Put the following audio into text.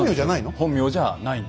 本名じゃないの？